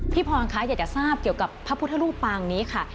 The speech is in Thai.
พรคะอยากจะทราบเกี่ยวกับพระพุทธรูปปางนี้ค่ะ